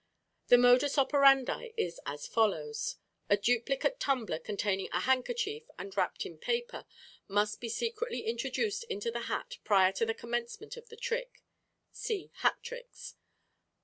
The modus operandi is as follows: A duplicate tumbler containing a handkerchief, and wrapped in paper, must be secretly introduced into the hat prior to the commencement of the trick (see "Hat Tricks").